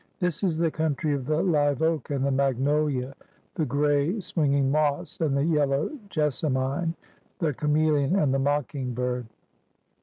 "' This is the country of the live oak and the magnoUa, the gray, swinging moss and the yellow jessamine, the chameleon and the mocking bird.